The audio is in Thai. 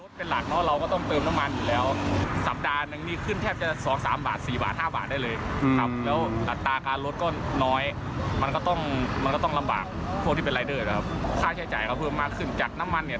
ต่ออย่าง๕๐หรือว่า๒๐๐เพิ่มขึ้นซึ่งสมมติเราเติมถุงมันแต่ก่อนร้อยนึงจะได้๕๐๐